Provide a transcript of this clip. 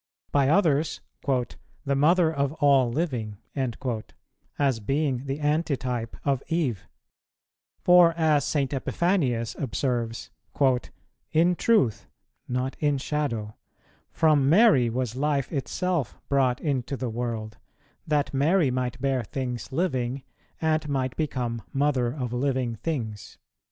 By others, "the Mother of all living," as being the antitype of Eve; for, as St. Epiphanius observes, "in truth," not in shadow, "from Mary was Life itself brought into the world, that Mary might bear things living, and might become Mother of living things."